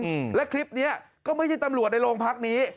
อืมและคลิปเนี้ยก็ไม่ใช่ตำรวจในโรงพักนี้